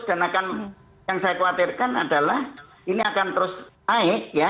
dan akan yang saya khawatirkan adalah ini akan terus naik ya